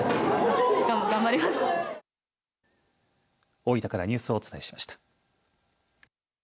大分からニュースをお伝えしました。